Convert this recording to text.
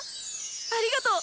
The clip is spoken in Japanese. ありがとう！